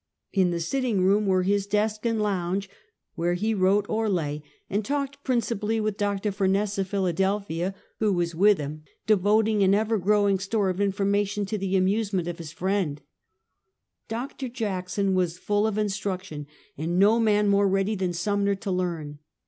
In the sitting room were his desk and lounge. Sdmnee, Burling ame and Cassius M. Clay. 159 where lie wrote or lay and talked, principally with Dr, Fiirness, of Philadelphia, who was; with him, devoting an ever growing store of information to the amuse ment of his friend. Dr. Jackson was full of instruc tion, and no man more ready than Sumner to learn.